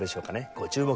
ご注目。